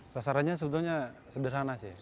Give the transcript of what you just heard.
sasarannya sebenarnya sederhana sih